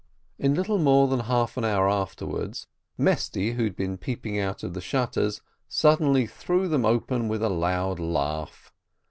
In little more than half an hour afterwards, Mesty, who had been peeping out of the shutters, suddenly threw them open with a loud laugh.